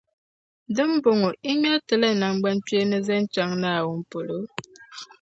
Di ni bɔŋɔ, yi ŋmεri ti la namgbankpeeni n-zaŋ chaŋ Naawuni polo?